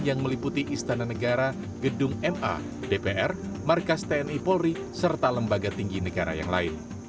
yang meliputi istana negara gedung ma dpr markas tni polri serta lembaga tinggi negara yang lain